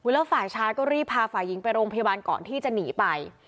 แล้วฝ่ายชายก็รีบพาฝ่ายิงไปโรงพยาบาลก่อนที่จะหนีไป